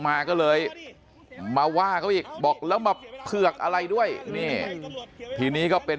มาก็เลยมาว่าเขาอีกบอกแล้วมาเผือกอะไรด้วยนี่ทีนี้ก็เป็น